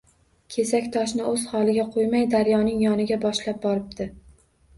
Kesak toshni o‘z holiga qo‘ymay daryoning yoniga boshlab boribdi